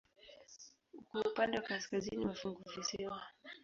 Uko upande wa kaskazini wa funguvisiwa.